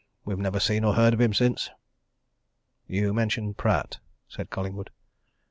We've never seen or heard of him since." "You mentioned Pratt," said Collingwood.